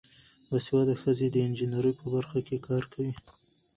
باسواده ښځې د انجینرۍ په برخه کې کار کوي.